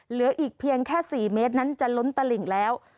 เหลืออีกเพียงแค่๔เมตรนั้นจะล้นตลิ่งแล้ว